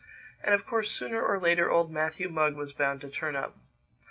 And of course sooner or later old Matthew Mugg was bound to turn up.